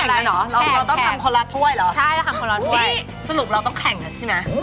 คือมัฟฟินมัฟฟินเราราดซอสคาราเมลด้วยหรอ